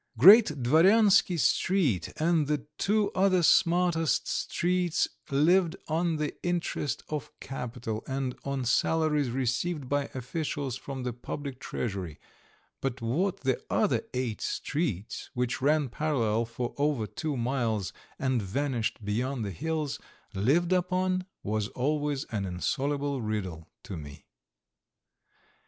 Great Dvoryansky Street and the two other smartest streets lived on the interest of capital, or on salaries received by officials from the public treasury; but what the other eight streets, which ran parallel for over two miles and vanished beyond the hills, lived upon, was always an insoluble riddle to me.